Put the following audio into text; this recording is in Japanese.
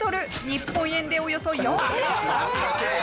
日本円でおよそ４３００円。